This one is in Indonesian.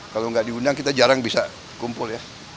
kalau nggak diundang kita jarang bisa kumpul ya